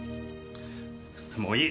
もういい。